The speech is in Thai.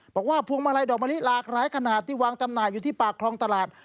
พวงมาลัยดอกมะลิหลากหลายขนาดที่วางจำหน่ายอยู่ที่ปากคลองตลาด